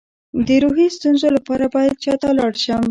د روحي ستونزو لپاره باید چا ته لاړ شم؟